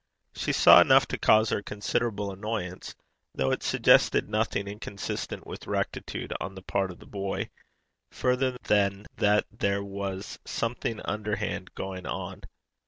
She saw enough to cause her considerable annoyance, though it suggested nothing inconsistent with rectitude on the part of the boy, further than that there was something underhand going on.